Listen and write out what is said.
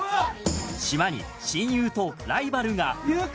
島に親友とライバルが。